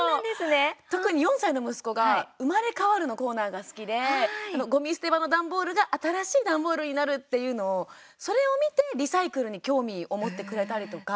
特に４歳の息子が「うまれかわる」のコーナーが好きでごみ捨て場の段ボールが新しい段ボールになるっていうのをそれを見てリサイクルに興味を持ってくれたりとか。